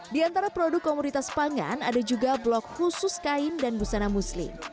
di antara produk komoditas pangan ada juga blok khusus kain dan busana muslim